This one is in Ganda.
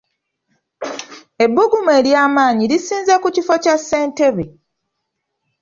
Ebbugumu ery'amaanyi lisinze ku kifo kya ssentebe.